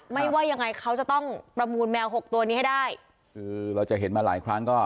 ว่ายังไงเขาจะต้องประมูลแมวหกตัวนี้ให้ได้คือเราจะเห็นมาหลายครั้งก็